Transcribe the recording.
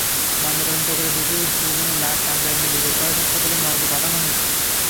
ময়নাতদন্ত করতে দুপুরে দুজনের লাশ টাঙ্গাইল মেডিকেল কলেজ হাসপাতালের মর্গে পাঠানো হয়।